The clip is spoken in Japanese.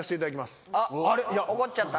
あっ怒っちゃった。